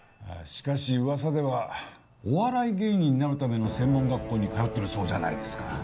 しかし噂ではお笑い芸人になるための専門学校に通っているそうじゃないですか。